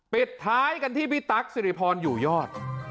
ปิดท้ายกันที่พี่ตั๊กสิริพรอยู่ยอด